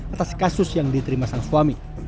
atas kasus yang diterima sang suami